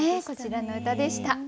こちらの歌でした。